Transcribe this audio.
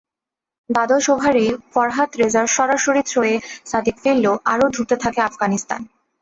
দ্বাদশ ওভারেই ফরহাদ রেজার সরাসরি থ্রোয়ে সাদিক ফিরলে আরও ধুঁকতে থাকে আফগানিস্তান।